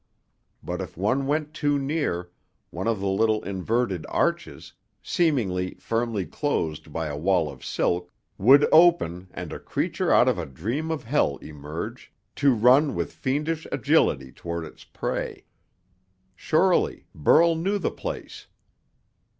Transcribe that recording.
But if one went too near, one of the little inverted arches, seemingly firmly closed by a wall of silk, would open and a creature out of a dream of hell emerge, to run with fiendish agility toward its prey. Surely, Burl knew the place.